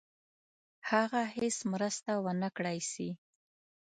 هغه هیڅ مرسته ونه کړای سي.